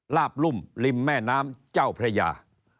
ลาบรุ่มริมแม่น้ำเจ้าพระยา